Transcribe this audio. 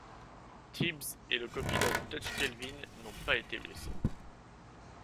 Tibbs et le copilote Dutch Gelvin n'ont pas été blessés.